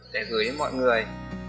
để gửi đến mọi người